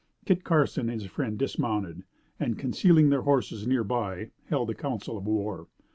Kit Carson and his friend dismounted, and, concealing their horses near by, held a council of war.